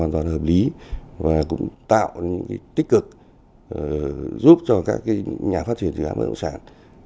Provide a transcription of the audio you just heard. hoàn toàn hợp lý và cũng tạo những cái tích cực giúp cho các cái nhà phát triển dự án bộ sản